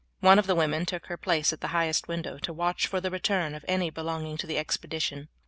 One of the women took her place at the highest window to watch for the return of any belonging to the expedition.